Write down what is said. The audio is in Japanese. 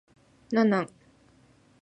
何なん